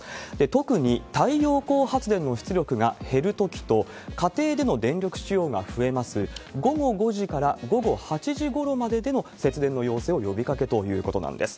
特に太陽光発電の出力が減るときと、家庭での電力使用が増えます、午後５時から午後８時ごろまででの節電の要請を呼びかけということなんです。